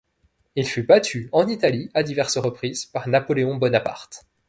Il fut battu, en Italie, à diverses reprises, par Napoléon Bonaparte.